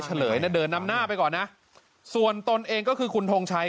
เฉลยนะเดินนำหน้าไปก่อนนะส่วนตนเองก็คือคุณทงชัย